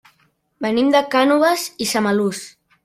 Venim de Cànoves i Samalús.